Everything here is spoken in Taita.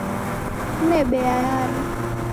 Sine bea yaro.